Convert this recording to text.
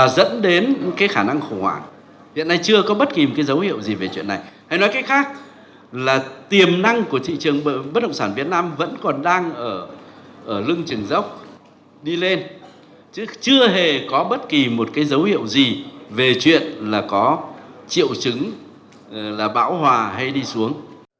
đi lên chưa hề có bất kỳ một dấu hiệu gì về chuyện là có triệu chứng là bão hòa hay đi xuống